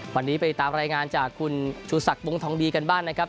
วันนี้ไปตามรายงานจากคุณชูศักดิ์วงทองดีกันบ้างนะครับ